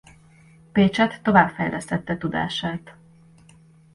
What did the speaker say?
Pécsett tovább fejlesztette tudását.